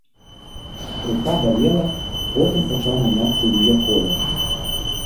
Рука балела, потым пачаў мяняцца яе колер.